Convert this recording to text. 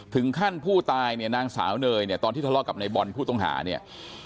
ถึงขั้นผู้ตายเนี่ยนางสาวเนยเนี่ยตอนที่ทะเลาะกับในบอลผู้ต้องหาเนี่ย